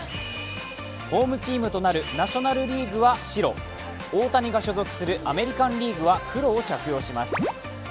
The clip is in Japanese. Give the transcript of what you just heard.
ホームチームとなるナショナルリーグは白、大谷が所属するアメリカンリーグは黒を着用します。